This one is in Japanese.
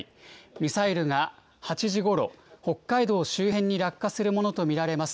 ミサイルが８時ごろ、北海道周辺に落下するものと見られます。